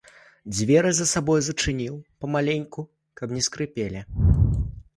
Дзверы за сабою зачыніў памаленьку, каб не скрыпелі.